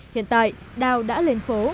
hiện tại đào đã lên phố